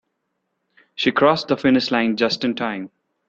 She crossed the finish line just in time.